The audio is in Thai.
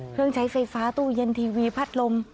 ไฟฟ้าตู้เย็นทีวีพัดลม